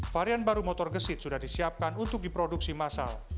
varian baru motor gesit sudah disiapkan untuk diproduksi massal